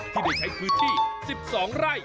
ที่ได้ใช้พื้นที่๑๒ไร่